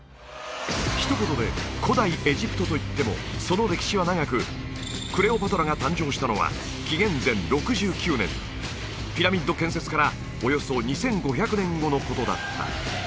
ひと言で古代エジプトといってもその歴史は長くクレオパトラが誕生したのは紀元前６９年ピラミッド建設からおよそ２５００年後のことだった